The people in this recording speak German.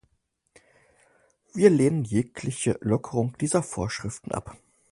Wir lehnen jegliche Lockerung dieser Vorschriften ab.